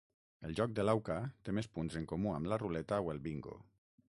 El joc de l'auca té més punts en comú amb la ruleta o el bingo.